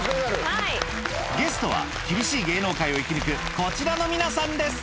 ゲストは厳しい芸能界を生き抜くこちらの皆さんです